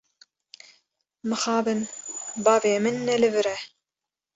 Mixabin bavê min ne li vir e.